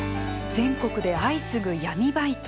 全国で相次ぐ闇バイト。